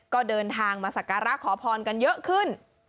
ก็เดินทางมาสักการะขอพรกันเยอะขึ้น